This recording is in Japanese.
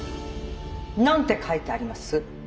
何て書いてあります？